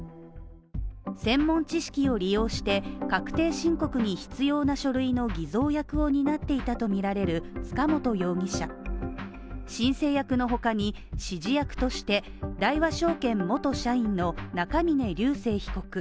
専門知識を利用して確定申告に必要な書類の偽造役を担っていたとみられる塚本容疑者申請役の他に指示役として大和証券元社員の中峯竜晟被告。